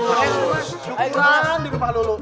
cukup banget di kepala lo